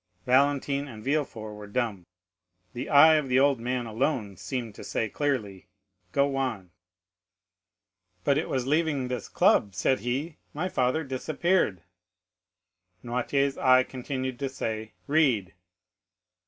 Valentine and Villefort were dumb; the eye of the old man alone seemed to say clearly, "Go on." "But it was on leaving this club," said he, "my father disappeared." Noirtier's eye continued to say, "Read."